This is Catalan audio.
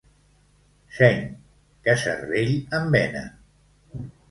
Seny, que cervell en venen.